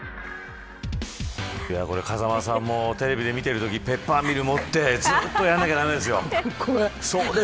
風間さんもテレビで見てるときペッパーミル持ってずっとやらなきゃ駄目ですよ。